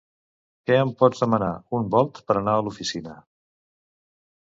Que em pots demanar un Bolt per anar a l'oficina?